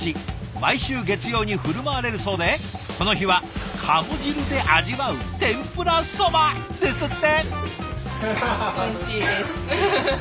毎週月曜に振る舞われるそうでこの日はカモ汁で味わう天ぷらそばですって。